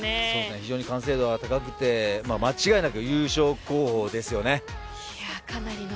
非常に完成度が高くて間違いなく優勝候補ですよね。